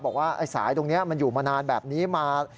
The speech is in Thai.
บอกว่าไอ้สายตรงนี้มันอยู่มานานแบบนี้มา